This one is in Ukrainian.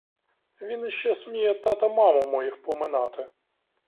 Він іще сміє тата — маму моїх поминати!